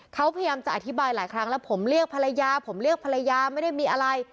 เขาพยายามจะอธิบายหลายครั้งแล้วผมเรียกภรรยาผมเรียกภรรยาไม่ได้มีอะไร